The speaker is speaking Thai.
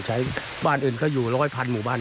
จะใช้บ้านอื่นเขาอยู่๑๐๐๐๐๐หมู่บ้าน